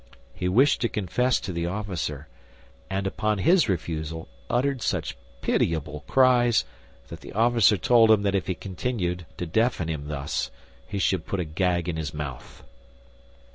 He wished to confess to the officer, and upon his refusal, uttered such pitiable cries that the officer told him that if he continued to deafen him thus, he should put a gag in his mouth.